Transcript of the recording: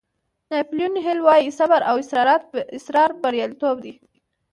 ناپیلیون هیل وایي صبر او اصرار بریالیتوب دی.